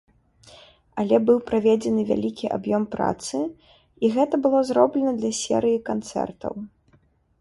Але быў праведзены вялікі аб'ём працы, і гэта было зроблена для серыі канцэртаў.